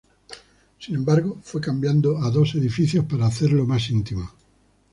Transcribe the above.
Sin embargo, fue cambiado a dos edificios para hacerlo más íntimo.